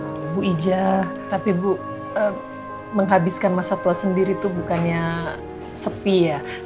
aduh bu ija tapi bu menghabiskan masa tua sendiri tuh bukannya sepi ya